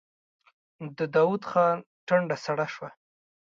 د داوود خان ټنډه سړه شوه.